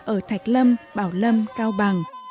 ở thạch lâm bảo lâm cao bằng